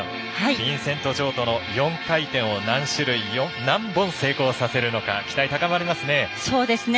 ビンセント・ジョウとの４回転を何種類何本成功させるのか期待、高まりますね。